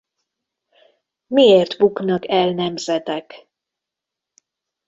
Miért buknak el nemzetek?